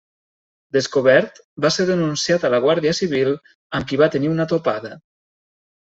Descobert, va ser denunciat a la Guàrdia Civil amb qui va tenir una topada.